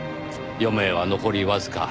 余命は残りわずか。